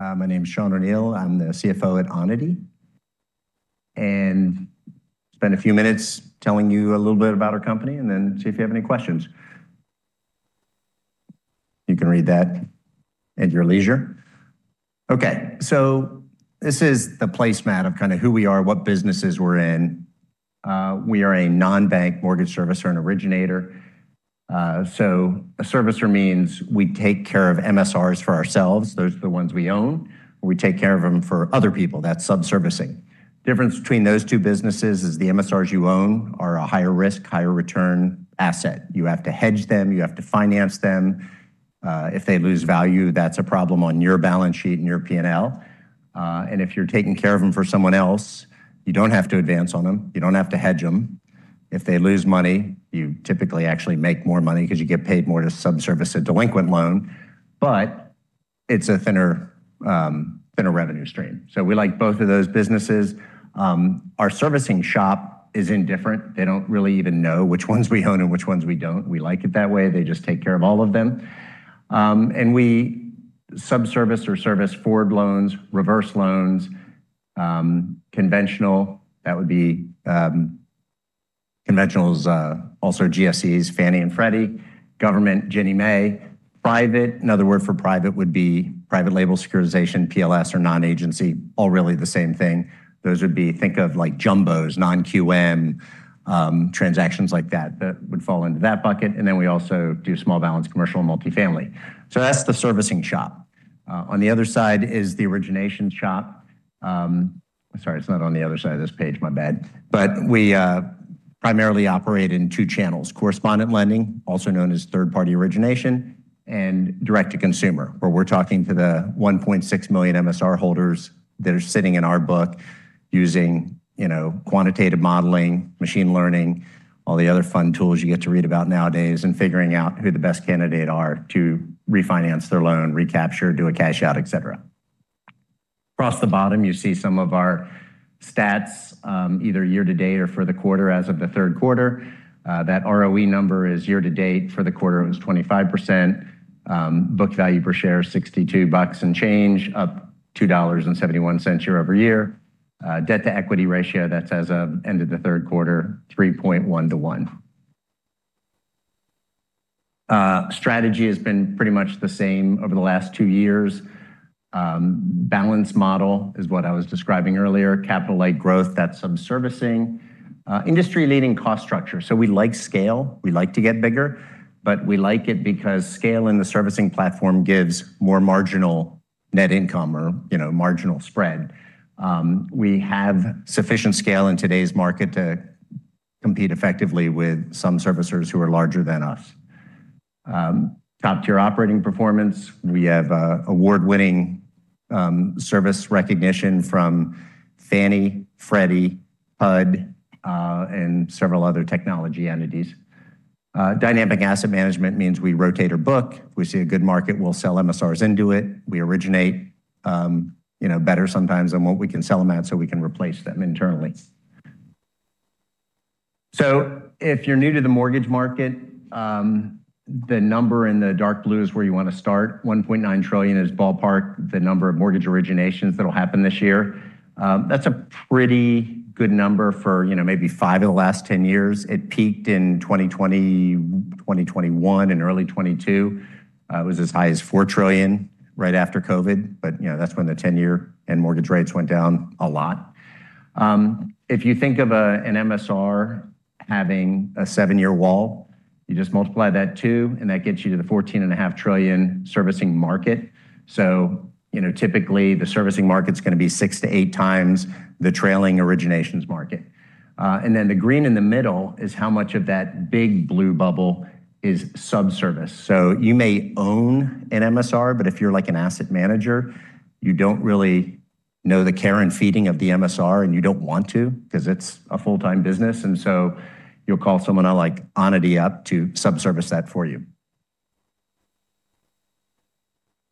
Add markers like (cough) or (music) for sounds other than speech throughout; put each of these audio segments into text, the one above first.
My name is Sean O'Neil. I'm the CFO at Onity and spend a few minutes telling you a little bit about our company, and then see if you have any questions. You can read that at your leisure. Okay, so this is the placemat of kind of who we are, what businesses we're in. We are a non-bank mortgage servicer and originator. So a servicer means we take care of MSRs for ourselves. Those are the ones we own. We take care of them for other people. That's sub-servicing. The difference between those two businesses is the MSRs you own are a higher risk, higher return asset. You have to hedge them. You have to finance them. If they lose value, that's a problem on your balance sheet and your P&L. And if you're taking care of them for someone else, you don't have to advance on them. You don't have to hedge them. If they lose money, you typically actually make more money because you get paid more to sub-service a delinquent loan. But it's a thinner revenue stream. So we like both of those businesses. Our servicing shop is indifferent. They don't really even know which ones we own and which ones we don't. We like it that way. They just take care of all of them. And we sub-service or service forward loans, reverse loans, conventional. That would be conventionals, also GSEs, Fannie and Freddie, government, Ginnie Mae. Private, another word for private would be private label securitization, PLS, or non-agency, all really the same thing. Those would be think of like jumbos, non-QM transactions like that that would fall into that bucket. And then we also do small balance commercial and multifamily. So that's the servicing shop. On the other side is the origination shop. Sorry, it's not on the other side of this page, my bad. But we primarily operate in two channels: correspondent lending, also known as third-party origination, and direct-to-consumer, where we're talking to the 1.6 million MSR holders that are sitting in our book using quantitative modeling, machine learning, all the other fun tools you get to read about nowadays, and figuring out who the best candidate are to refinance their loan, recapture, do a cash-out, etc. Across the bottom, you see some of our stats either year-to-date or for the quarter as of the third quarter. That ROE number is year-to-date for the quarter was 25%. Book value per share, 62 bucks and change, up $2.71 year over year. Debt-to-equity ratio, that's as of end of the third quarter, 3.1 to 1. Strategy has been pretty much the same over the last two years. Balance model is what I was describing earlier. Capital-like growth, that's sub-servicing. Industry-leading cost structure. So we like scale. We like to get bigger. But we like it because scale in the servicing platform gives more marginal net income or marginal spread. We have sufficient scale in today's market to compete effectively with some servicers who are larger than us. Top-tier operating performance. We have award-winning service recognition from Fannie, Freddie, HUD, and several other technology entities. Dynamic asset management means we rotate our book. If we see a good market, we'll sell MSRs into it. We originate better sometimes than what we can sell them at so we can replace them internally. So if you're new to the mortgage market, the number in the dark blue is where you want to start. $1.9 trillion is ballpark the number of mortgage originations that will happen this year. That's a pretty good number for maybe five of the last 10 years. It peaked in 2020, 2021, and early 2022. It was as high as $4 trillion right after COVID. But that's when the 10-year and mortgage rates went down a lot. If you think of an MSR having a seven-year wall, you just multiply that two, and that gets you to the $14.5 trillion servicing market. So typically, the servicing market's going to be six to eight times the trailing originations market. And then the green in the middle is how much of that big blue bubble is sub-servicing. So you may own an MSR, but if you're like an asset manager, you don't really know the care and feeding of the MSR, and you don't want to because it's a full-time business. And so you'll call someone like Onity up to sub-servicing that for you.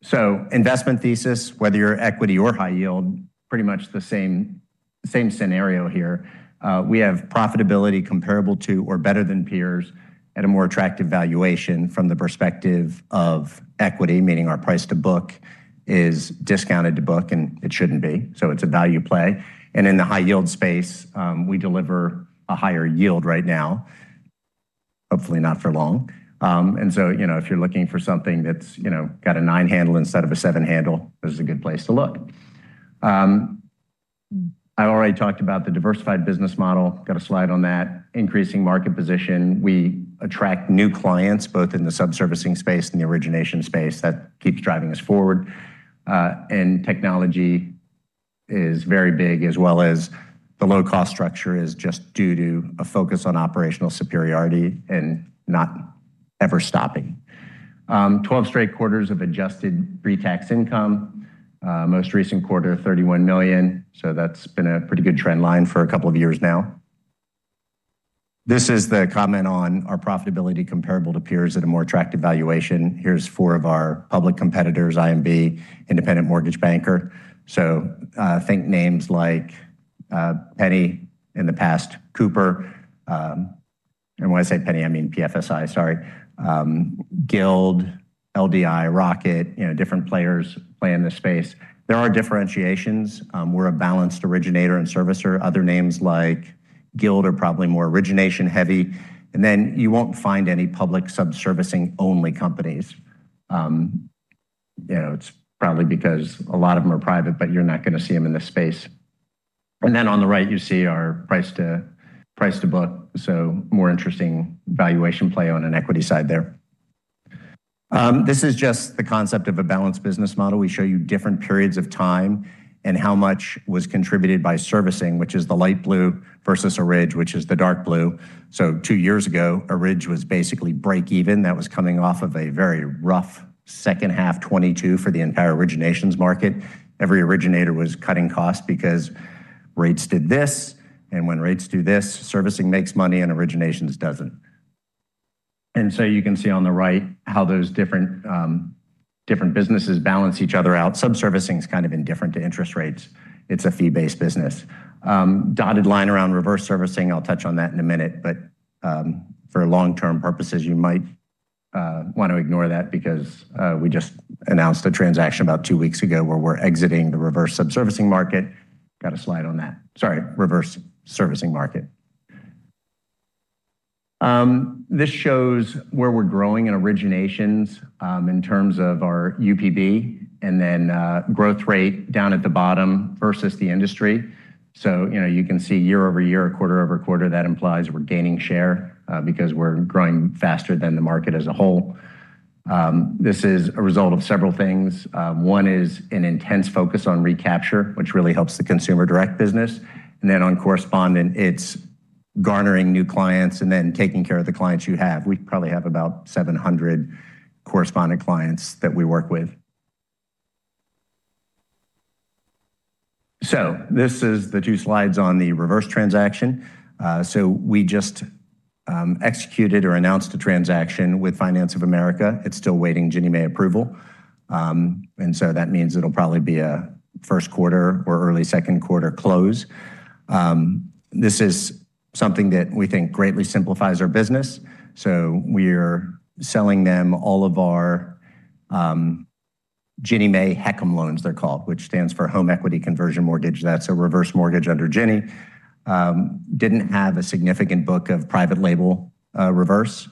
So investment thesis, whether you're equity or high yield, pretty much the same scenario here. We have profitability comparable to or better than peers at a more attractive valuation from the perspective of equity, meaning our price to book is discounted to book, and it shouldn't be. So it's a value play. And in the high yield space, we deliver a higher yield right now, hopefully not for long. And so if you're looking for something that's got a nine handle instead of a seven handle, this is a good place to look. I already talked about the diversified business model. Got a slide on that. Increasing market position. We attract new clients both in the sub-servicing space and the origination space. That keeps driving us forward. Technology is very big, as well as the low-cost structure is just due to a focus on operational superiority and not ever stopping. 12 straight quarters of adjusted pre-tax income. Most recent quarter, $31 million. So that's been a pretty good trend line for a couple of years now. This is the comment on our profitability comparable to peers at a more attractive valuation. Here's four of our public competitors: IMB, Independent Mortgage Banker. So think names like Penny in the past, Cooper. And when I say Penny, I mean PFSI, sorry. Guild, LDI, Rocket, different players play in this space. There are differentiations. We're a balanced originator and servicer. Other names like Guild are probably more origination-heavy. And then you won't find any public sub-servicing-only companies. It's probably because a lot of them are private, but you're not going to see them in this space. And then on the right, you see our price to book. So more interesting valuation play on an equity side there. This is just the concept of a balanced business model. We show you different periods of time and how much was contributed by servicing, which is the light blue versus originations, which is the dark blue. So two years ago, originations was basically break-even. That was coming off of a very rough second half 2022 for the entire originations market. Every originator was cutting costs because rates did this. And when rates do this, servicing makes money and originations doesn't. And so you can see on the right how those different businesses balance each other out. Sub-servicing is kind of indifferent to interest rates. It's a fee-based business. Dotted line around reverse servicing, I'll touch on that in a minute. But for long-term purposes, you might want to ignore that because we just announced a transaction about two weeks ago where we're exiting the reverse sub-servicing market. Got a slide on that. Sorry, reverse servicing market. This shows where we're growing in originations in terms of our UPB and then growth rate down at the bottom versus the industry. So you can see year over year, a quarter over quarter, that implies we're gaining share because we're growing faster than the market as a whole. This is a result of several things. One is an intense focus on recapture, which really helps the consumer direct business. And then on correspondent, it's garnering new clients and then taking care of the clients you have. We probably have about 700 correspondent clients that we work with. So this is the two slides on the reverse transaction. So we just executed or announced a transaction with Finance of America. It's still waiting Ginnie Mae approval. And so that means it'll probably be a first quarter or early second quarter close. This is something that we think greatly simplifies our business. So we're selling them all of our Ginnie Mae HECM loans, they're called, which stands for Home Equity Conversion Mortgage. That's a reverse mortgage under Ginnie. Didn't have a significant book of private label reverse.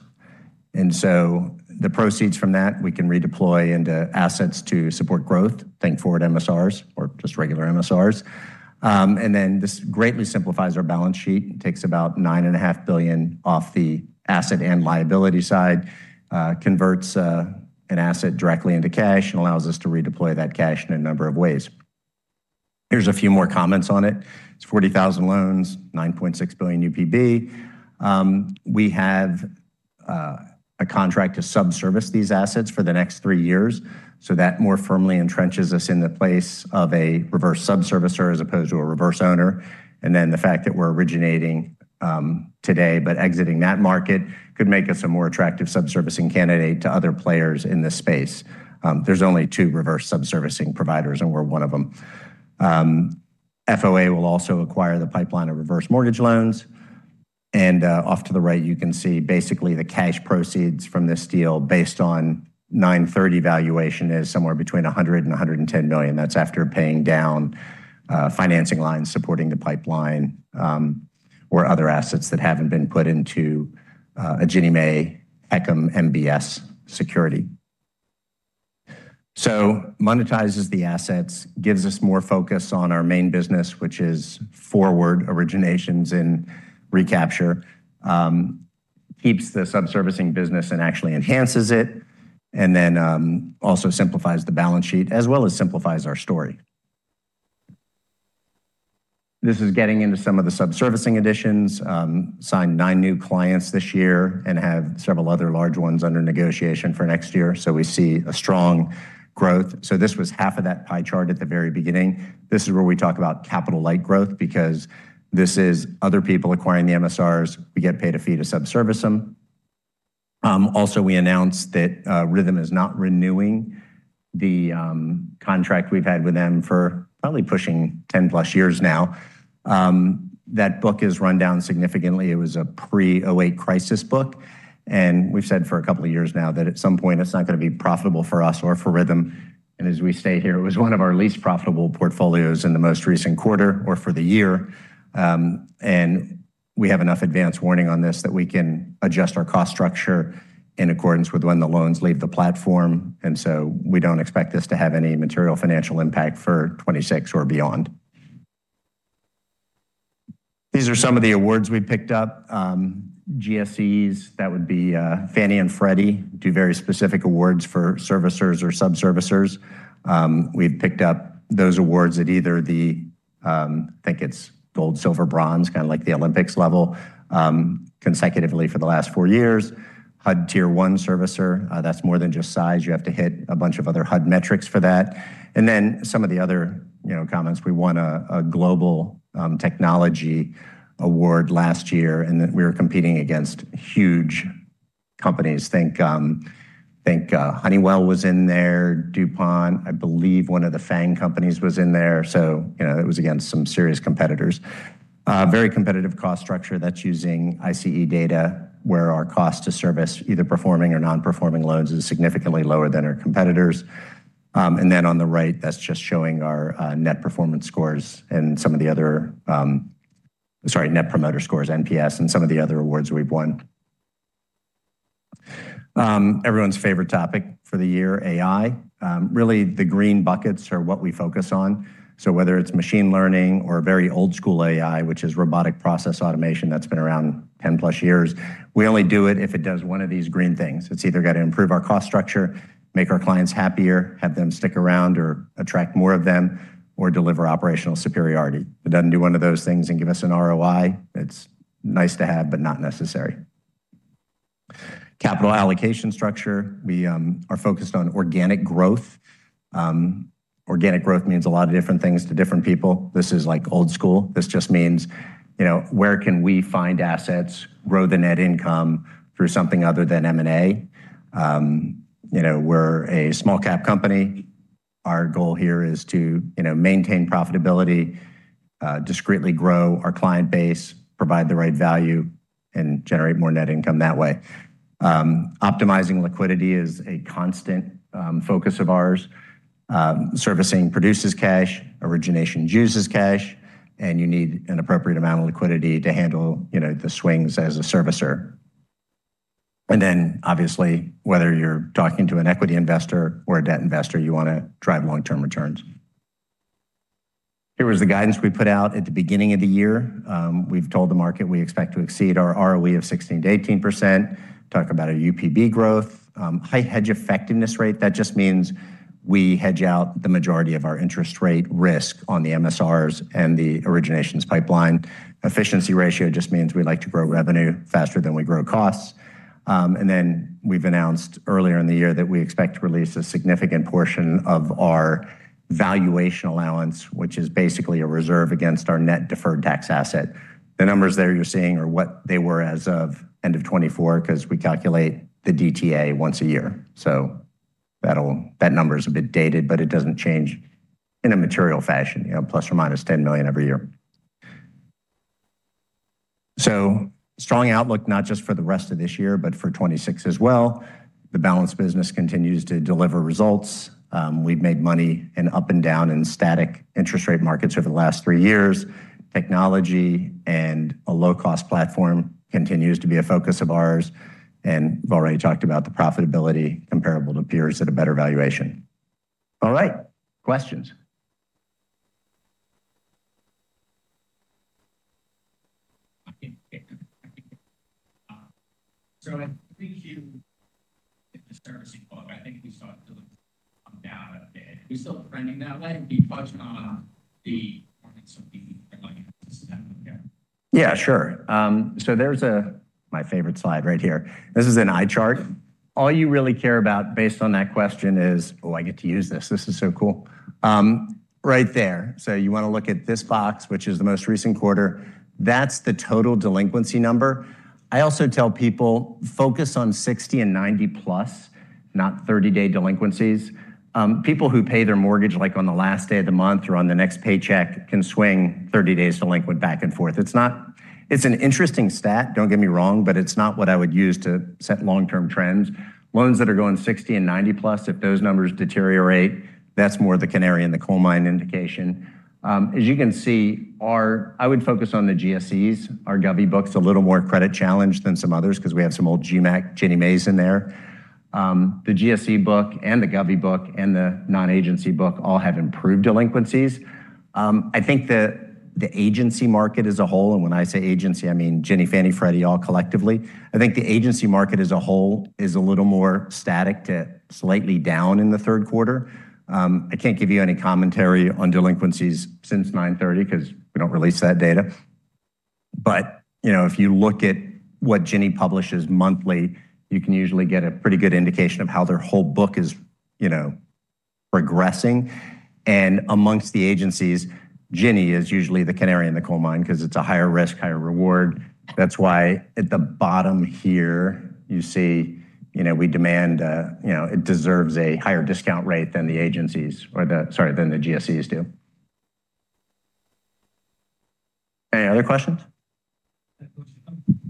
And so the proceeds from that, we can redeploy into assets to support growth, think forward MSRs or just regular MSRs. And then this greatly simplifies our balance sheet. It takes about $9.5 billion off the asset and liability side, converts an asset directly into cash, and allows us to redeploy that cash in a number of ways. Here's a few more comments on it. It's 40,000 loans, $9.6 billion UPB. We have a contract to sub-service these assets for the next three years, so that more firmly entrenches us in the place of a reverse sub-servicer as opposed to a reverse owner, and then the fact that we're originating today but exiting that market could make us a more attractive sub-servicing candidate to other players in this space. There's only two reverse sub-servicing providers, and we're one of them. FOA will also acquire the pipeline of reverse mortgage loans, and off to the right, you can see basically the cash proceeds from this deal based on 930 valuation is somewhere between $100 million and $110 million. That's after paying down financing lines supporting the pipeline or other assets that haven't been put into a Ginnie Mae HECM MBS security. So monetizes the assets, gives us more focus on our main business, which is forward originations and recapture, keeps the sub-servicing business and actually enhances it, and then also simplifies the balance sheet as well as simplifies our story. This is getting into some of the sub-servicing additions. Signed nine new clients this year and have several other large ones under negotiation for next year. So we see a strong growth. So this was half of that pie chart at the very beginning. This is where we talk about capital-like growth because this is other people acquiring the MSRs. We get paid a fee to sub-service them. Also, we announced that Rithm is not renewing the contract we've had with them for probably pushing 10-plus years now. That book has run down significantly. It was a pre-2008 crisis book. We've said for a couple of years now that at some point, it's not going to be profitable for us or for Rithm. And as we state here, it was one of our least profitable portfolios in the most recent quarter or for the year. And we have enough advance warning on this that we can adjust our cost structure in accordance with when the loans leave the platform. And so we don't expect this to have any material financial impact for 2026 or beyond. These are some of the awards we picked up. GSEs, that would be Fannie and Freddie, do very specific awards for servicers or sub-servicers. We've picked up those awards at either the, I think it's gold, silver, bronze, kind of like the Olympics level consecutively for the last four years. HUD tier one servicer, that's more than just size. You have to hit a bunch of other HUD metrics for that, and then some of the other comments. We won a global technology award last year, and we were competing against huge companies. Think Honeywell was in there, DuPont. I believe one of the FANG companies was in there, so it was against some serious competitors. Very competitive cost structure. That's using ICE data, where our cost to service either performing or non-performing loans is significantly lower than our competitors, and then on the right, that's just showing our net performance scores and some of the other, sorry, net promoter scores, NPS, and some of the other awards we've won. Everyone's favorite topic for the year, AI. Really, the green buckets are what we focus on. So whether it's machine learning or very old-school AI, which is robotic process automation that's been around 10-plus years, we only do it if it does one of these green things. It's either got to improve our cost structure, make our clients happier, have them stick around or attract more of them, or deliver operational superiority. If it doesn't do one of those things and give us an ROI, it's nice to have, but not necessary. Capital allocation structure. We are focused on organic growth. Organic growth means a lot of different things to different people. This is like old school. This just means where can we find assets, grow the net income through something other than M&A. We're a small-cap company. Our goal here is to maintain profitability, discreetly grow our client base, provide the right value, and generate more net income that way. Optimizing liquidity is a constant focus of ours. Servicing produces cash, origination juices cash, and you need an appropriate amount of liquidity to handle the swings as a servicer. And then, obviously, whether you're talking to an equity investor or a debt investor, you want to drive long-term returns. Here was the guidance we put out at the beginning of the year. We've told the market we expect to exceed our ROE of 16%-18%. Talk about our UPB growth. High hedge effectiveness rate. That just means we hedge out the majority of our interest rate risk on the MSRs and the originations pipeline. Efficiency ratio just means we like to grow revenue faster than we grow costs. And then we've announced earlier in the year that we expect to release a significant portion of our valuation allowance, which is basically a reserve against our net deferred tax asset. The numbers there you're seeing are what they were as of end of 2024 because we calculate the DTA once a year. So that number is a bit dated, but it doesn't change in a material fashion, plus or minus $10 million every year. So strong outlook, not just for the rest of this year, but for 2026 as well. The balanced business continues to deliver results. We've made money and up and down in static interest rate markets over the last three years. Technology and a low-cost platform continues to be a focus of ours. And we've already talked about the profitability comparable to peers at a better valuation. All right. Questions? So I think you. In the servicing book, (audio distortion) I think we saw it come down a bit. Are we still trending that way? Are we touching on the performance of the system? Yeah, sure. So there's my favorite slide right here. This is an ICE chart. All you really care about based on that question is, "Oh, I get to use this. This is so cool." Right there. So you want to look at this box, which is the most recent quarter. That's the total delinquency number. I also tell people, focus on 60 and 90-plus, not 30-day delinquencies. People who pay their mortgage on the last day of the month or on the next paycheck can swing 30 days delinquent back and forth. It's an interesting stat, don't get me wrong, but it's not what I would use to set long-term trends. Loans that are going 60 and 90-plus, if those numbers deteriorate, that's more the canary in the coal mine indication. As you can see, I would focus on the GSEs. Our Govy book is a little more credit challenged than some others because we have some old GMAC Ginnie Maes in there. The GSE book and the Govy book and the non-agency book all have improved delinquencies. I think the agency market as a whole, and when I say agency, I mean Ginnie, Fannie, Freddie, all collectively, is a little more static to slightly down in the third quarter. I can't give you any commentary on delinquencies since 930 because we don't release that data. But if you look at what Ginnie publishes monthly, you can usually get a pretty good indication of how their whole book is progressing. Amongst the agencies, Ginnie is usually the canary in the coal mine because it's a higher risk, higher reward. That's why at the bottom here, you see we demand it deserves a higher discount rate than the agencies or, sorry, than the GSEs do. Any other questions?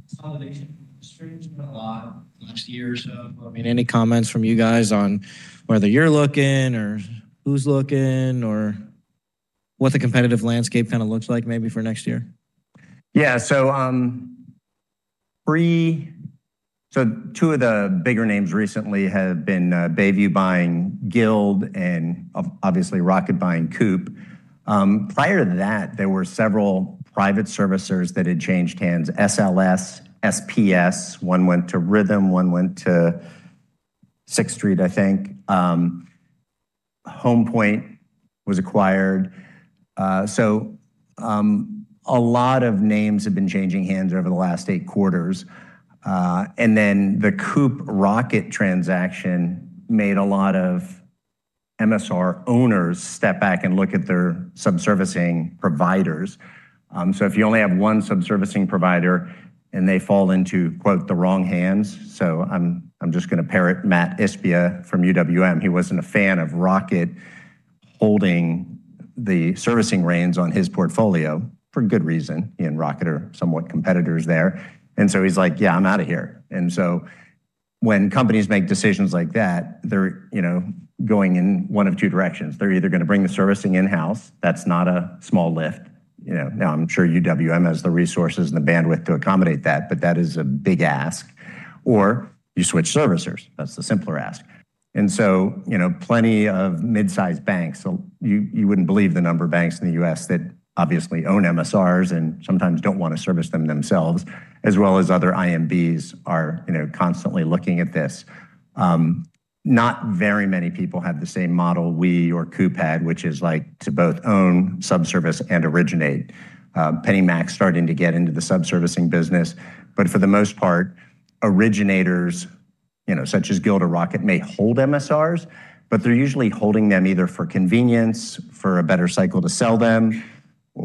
Consolidation has changed a lot in the last year or so. I mean, any comments from you guys on whether you're looking or who's looking or what the competitive landscape kind of looks like maybe for next year? Yeah. So two of the bigger names recently have been Bayview buying Guild and obviously Rocket buying Coop. Prior to that, there were several private servicers that had changed hands, SLS, SPS. One went to Rhythm, one went to Sixth Street, I think. HomePoint was acquired. So a lot of names have been changing hands over the last eight quarters. And then the Coop Rocket transaction made a lot of MSR owners step back and look at their sub-servicing providers. If you only have one sub-servicing provider and they fall into, quote, "the wrong hands," I'm just going to parrot Mat Ishbia from UWM. He wasn't a fan of Rocket holding the servicing reins on his portfolio for good reason. He and Rocket are somewhat competitors there. He's like, "Yeah, I'm out of here." When companies make decisions like that, they're going in one of two directions. They're either going to bring the servicing in-house. That's not a small lift. I'm sure UWM has the resources and the bandwidth to accommodate that, but that is a big ask. Or you switch servicers. That's the simpler ask. And so plenty of mid-sized banks, you wouldn't believe the number of banks in the U.S. that obviously own MSRs and sometimes don't want to service them themselves, as well as other IMBs are constantly looking at this. Not very many people have the same model we or Cooper had, which is to both own sub-servicing and originate. PennyMac's starting to get into the sub-servicing business. But for the most part, originators such as Guild or Rocket may hold MSRs, but they're usually holding them either for convenience, for a better cycle to sell them,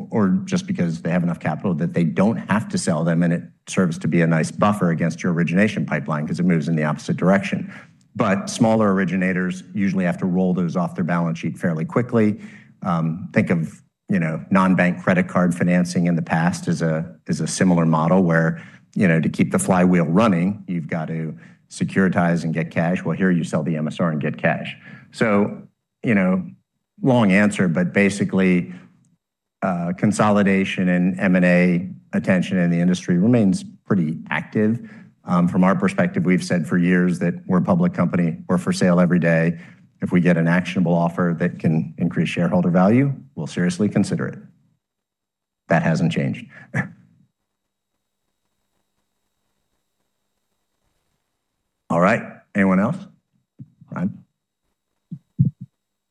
or just because they have enough capital that they don't have to sell them, and it serves to be a nice buffer against your origination pipeline because it moves in the opposite direction. But smaller originators usually have to roll those off their balance sheet fairly quickly. Think of non-bank credit card financing in the past as a similar model where to keep the flywheel running, you've got to securitize and get cash. Well, here you sell the MSR and get cash. So long answer, but basically, consolidation and M&A attention in the industry remains pretty active. From our perspective, we've said for years that we're a public company. We're for sale every day. If we get an actionable offer that can increase shareholder value, we'll seriously consider it. That hasn't changed. All right. Anyone else?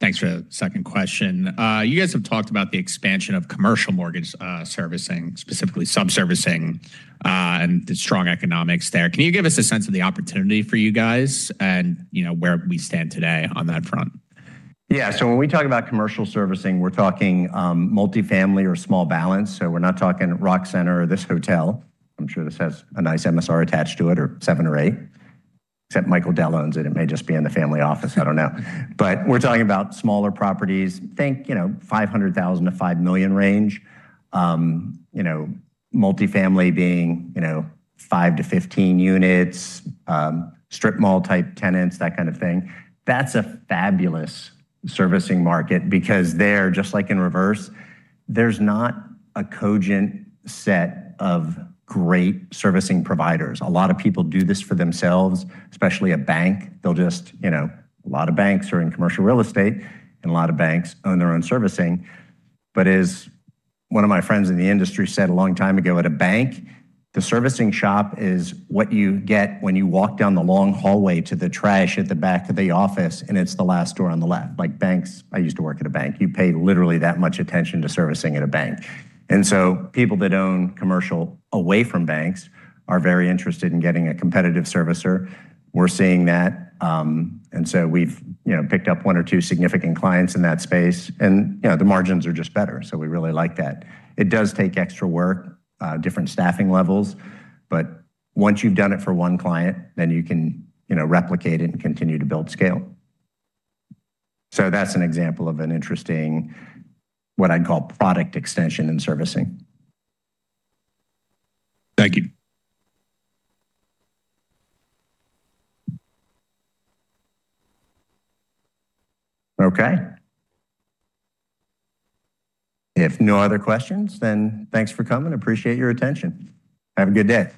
Thanks for the second question. You guys have talked about the expansion of commercial mortgage servicing, specifically sub-servicing, and the strong economics there. Can you give us a sense of the opportunity for you guys and where we stand today on that front? Yeah. So when we talk about commercial servicing, we're talking multifamily or small balance. So we're not talking Rock Center or this hotel. I'm sure this has a nice MSR attached to it or seven or eight, except Michael Dell owns it. It may just be in the family office. I don't know. But we're talking about smaller properties, think $500,000-$5 million range, multifamily being 5-15 units, strip mall-type tenants, that kind of thing. That's a fabulous servicing market because there, just like in reverse, there's not a cogent set of great servicing providers. A lot of people do this for themselves, especially a bank. A lot of banks are in commercial real estate, and a lot of banks own their own servicing. But as one of my friends in the industry said a long time ago at a bank, the servicing shop is what you get when you walk down the long hallway to the trash at the back of the office, and it's the last door on the left. Banks, I used to work at a bank, and you pay literally that much attention to servicing at a bank, so people that own commercial away from banks are very interested in getting a competitive servicer. We're seeing that, and so we've picked up one or two significant clients in that space, and the margins are just better, so we really like that. It does take extra work, different staffing levels, but once you've done it for one client, then you can replicate it and continue to build scale. That's an example of an interesting, what I'd call product extension in servicing. Thank you. Okay. If no other questions, then thanks for coming. Appreciate your attention. Have a good day.